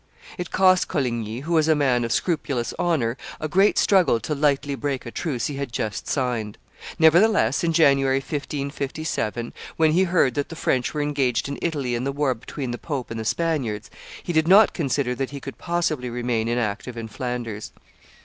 It cost Coligny, who was a man of scrupulous honor, a great struggle to lightly break a truce he had just signed; nevertheless, in January, 1557, when he heard that the French were engaged in Italy in the war between the pope and the Spaniards, he did not consider that he could possibly remain inactive in Flanders.